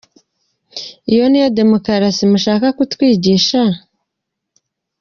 Iyo ni yo demukarasi mushaka kutwigisha ?”